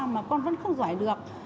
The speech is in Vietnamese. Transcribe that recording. mà con vẫn không giỏi được